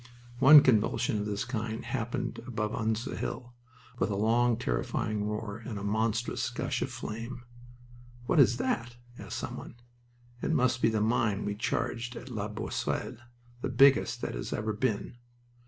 One convulsion of this kind happened above Usna Hill, with a long, terrifying roar and a monstrous gush of flame. "What is that?" asked some one. "It must be the mine we charged at La Boisselle. The biggest that has ever been."